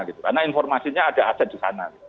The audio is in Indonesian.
karena informasinya ada aset di sana